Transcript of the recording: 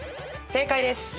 正解です。